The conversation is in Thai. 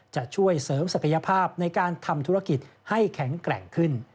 จะช่วยเสริมศักยภาพในการทำธุรกิจให้แข็งแกร่งขึ้น